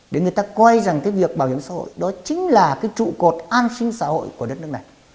để người ta coi rằng cái việc bảo hiểm xã hội đó chính là cái trụ cột an sinh xã hội của đất nước này